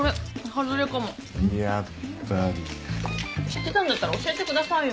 知ってたんだったら教えてくださいよ。